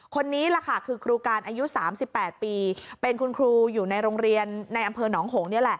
คนนี้คือครูการอายุ๓๘ปีเป็นคุณครูอยู่ในโรงเรียนอำเภอหนองหงค์